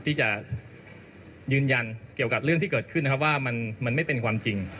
ที่จะยืนยันเกี่ยวกับเรื่องที่เกิดขึ้นนะครับว่ามันไม่เป็นความจริง